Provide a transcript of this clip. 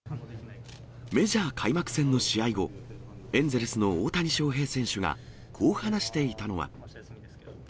メジャー開幕戦の試合後、エンゼルスの大谷翔平選手がこう話していたのは。